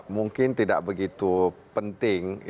mungkin tidak begitu penting